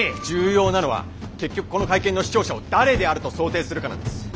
重要なのは結局この会見の視聴者を誰であると想定するかなんです！